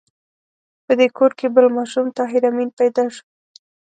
په دې کور کې بل ماشوم طاهر آمین پیدا شو